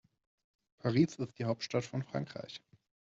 Paris ist die Hauptstadt von Frankreich.